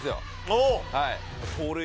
おっ！